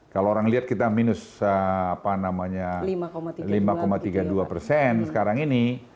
kalau orang lihat kita minus lima tiga puluh dua persen sekarang ini